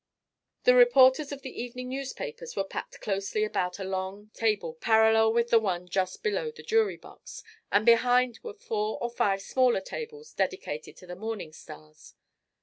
The reporters of the evening newspapers, were packed closely about a long table parallel with the one just below the jury box, and behind were four or five smaller tables dedicated to the morning stars.